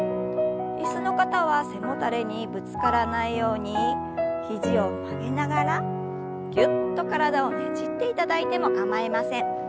椅子の方は背もたれにぶつからないように肘を曲げながらぎゅっと体をねじっていただいても構いません。